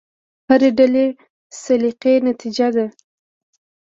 هرې ډلې سلیقې نتیجه ده.